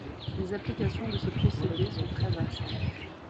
Les applications de ce procédé sont très vastes.